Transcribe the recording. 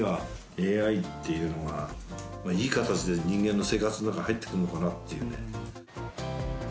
ＡＩっていうのが、いい形で人間の生活の中に入ってくんのかなっていうね。